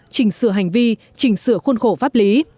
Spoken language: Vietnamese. chỉnh sửa hành vi chỉnh sửa khuôn khổ pháp lý